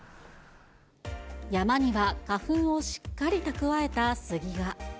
山には花粉をしっかり蓄えたスギが。